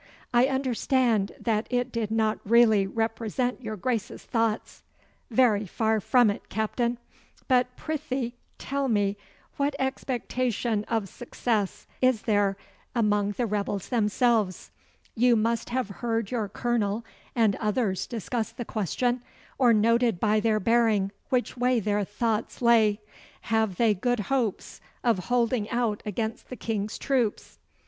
'I understand that it did not really represent your Grace's thoughts.' 'Very far from it, Captain. But prythee tell me what expectation of success is there among the rebels themselves? You must have heard your Colonel and others discuss the question, or noted by their bearing which way their thoughts lay. Have they good hopes of holding out against the King's troops?